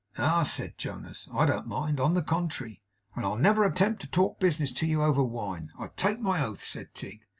'Ah!' said Jonas, 'I don't mind. On the contrary.' 'And I'll never attempt to talk business to you over wine, I take my oath,' said Tigg.